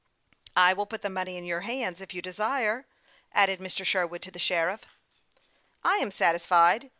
" I will put the money in your hands, if you desire," added Mr. Sherwood to the sheriff. " I am satisfied.